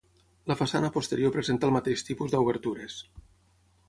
La façana posterior presenta el mateix tipus d'obertures.